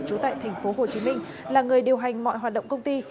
trú tại tp hcm là người điều hành mọi hoạt động công ty